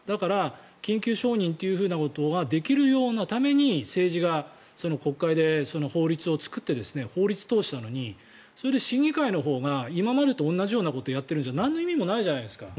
緊急承認ができるために政治が国会で法律を作って法律を通したのにそれで審議会のほうが今までと同じようなことをやってるんじゃなんの意味もないじゃないですか。